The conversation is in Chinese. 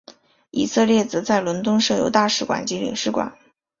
以色列则在伦敦设有大使馆及领事馆。